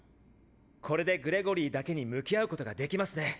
これでグレゴリーだけに向き合うことができますね！